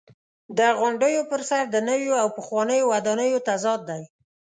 د غونډیو پر سر د نویو او پخوانیو ودانیو تضاد دی.